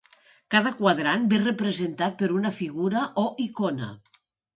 Cada quadrant ve representat per una figura o icona.